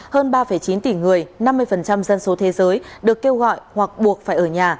hơn ba chín tỷ người năm mươi dân số thế giới được kêu gọi hoặc buộc phải ở nhà